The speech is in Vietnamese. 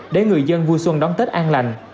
để người dân vui xuân đón tết an lành